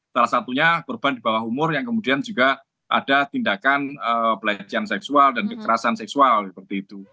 salah satunya korban di bawah umur yang kemudian juga ada tindakan pelecehan seksual dan kekerasan seksual seperti itu